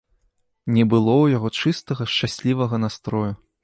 Не было ў яго чыстага шчаслівага настрою.